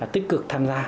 tích cực tham gia